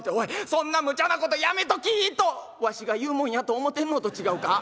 そんなムチャなことやめときっとわしが言うもんやと思てんのと違うか？」。